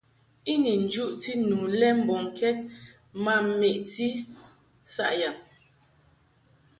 I ni njuʼti nu le mbɔŋkɛd ma meʼti saʼ yab.